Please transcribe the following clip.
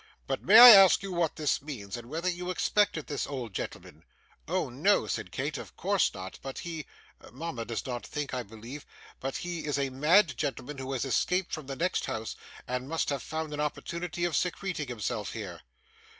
But may I ask you what this means, and whether you expected this old gentleman?' 'Oh, no,' said Kate, 'of course not; but he mama does not think so, I believe but he is a mad gentleman who has escaped from the next house, and must have found an opportunity of secreting himself here.